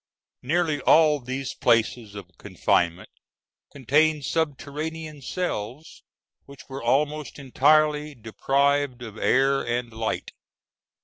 Nearly all these places of confinement contained subterranean cells, which were almost entirely deprived of air and light.